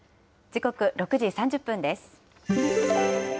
時刻６時３０分です。